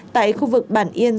tại khu vực bản yên